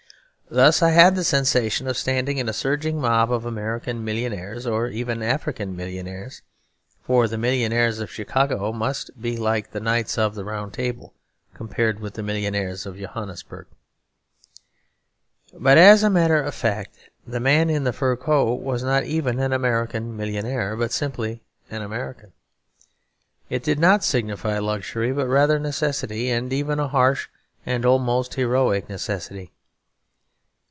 Thus I had the sensation of standing in a surging mob of American millionaires, or even African millionaires; for the millionaires of Chicago must be like the Knights of the Round Table compared with the millionaires of Johannesburg. But, as a matter of fact, the man in the fur coat was not even an American millionaire, but simply an American. It did not signify luxury, but rather necessity, and even a harsh and almost heroic necessity.